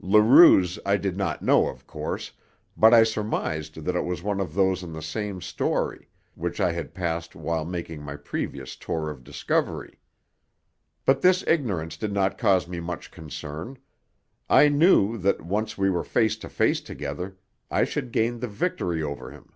Leroux's I did not know, of course, but I surmised that it was one of those on the same story, which I had passed while making my previous tour of discovery. But this ignorance did not cause me much concern. I knew that, once we were face to face together, I should gain the victory over him.